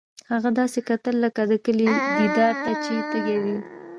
هغه داسې کتل لکه د کلي دیدار ته چې تږی وي